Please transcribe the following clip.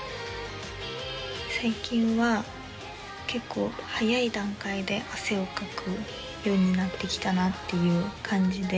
最近は結構早い段階で汗をかくようになってきたなっていう感じで。